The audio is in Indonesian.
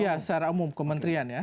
ya secara umum kementerian ya